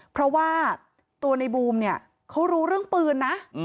เพราะว่าตัวในบูมเนี่ยเขารู้เรื่องปืนนะ